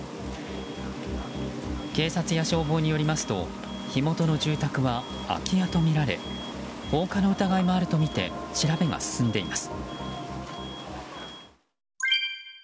警察や消防によりますと火元の住宅は空き家とみられ放火の疑いもあるとみて調べが進んでいます。